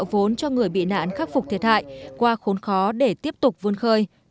hỗ trợ vốn cho người bị nạn khắc phục thiệt hại qua khốn khó để tiếp tục vươn khơi